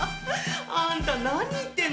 あんた何言ってんの？